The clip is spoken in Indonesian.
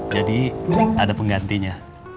jadi ada penggantinya